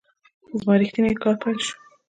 زما ریښتینی کار پیل شو .